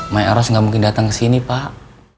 my aros gak mungkin datang ke sini pak